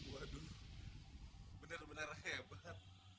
waduh benar benar hebat